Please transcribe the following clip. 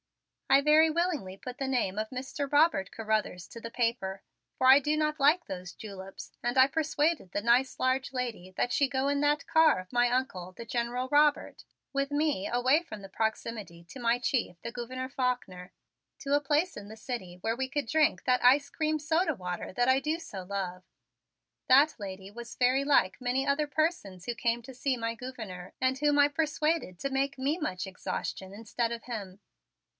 I very willingly put the name of Mr. Robert Carruthers to the paper, for I do not like those juleps, and I persuaded the nice large lady that she go in that car of my Uncle, the General Robert, with me away from the proximity to my chief, the Gouverneur Faulkner, to a place in the city where we could drink that ice cream soda water that I do so love. That lady was very like many other persons who came to see my Gouverneur and whom I persuaded to make me much exhaustion instead of him.